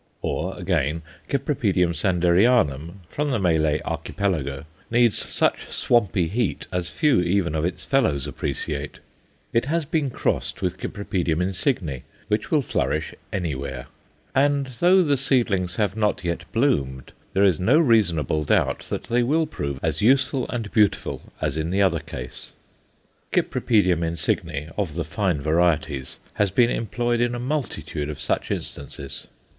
Or again, Cypripedium Sanderianum, from the Malay Archipelago, needs such swampy heat as few even of its fellows appreciate; it has been crossed with Cyp. insigne, which will flourish anywhere, and though the seedlings have not yet bloomed, there is no reasonable doubt that they will prove as useful and beautiful as in the other case. Cypripedium insigne, of the fine varieties, has been employed in a multitude of such instances.